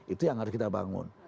itu yang harus kita bangun